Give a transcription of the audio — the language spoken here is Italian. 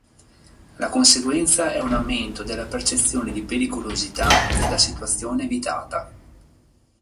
La conseguenza è un aumento della percezione di pericolosità della situazione evitata.